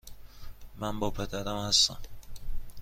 من با پدرم هستم.